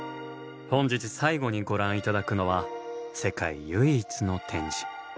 本日最後にご覧頂くのは世界唯一の展示。